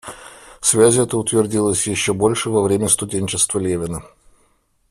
Связь эта утвердилась еще больше во время студенчества Левина.